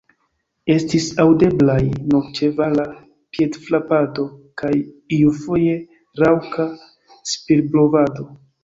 Estis aŭdeblaj nur ĉevala piedfrapado kaj iufoje raŭka spirblovado.